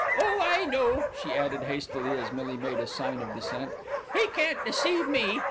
Oh, I know!" she added hastily, as Millie made a sign of dissent. "He can't deceive me.